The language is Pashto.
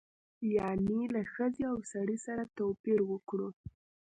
یعنې له ښځې او سړي سره توپیر وکړو.